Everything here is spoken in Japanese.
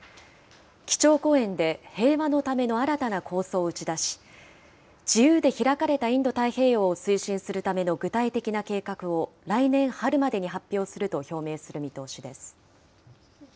基調講演で、平和のための新たな構想を打ち出し、自由で開かれたインド太平洋を推進するための具体的な計画を来年春までに発表すると表明する見通しです。